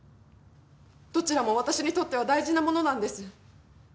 どちらも私にとっては大事なものなんです。